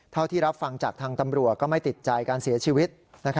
เท่าที่รับฟังจากทางตำรวจก็ไม่ติดใจการเสียชีวิต